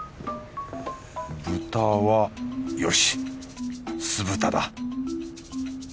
豚はよし酢豚だ。